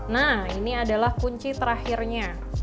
nah ini adalah kunci terakhirnya